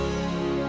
makan nah satu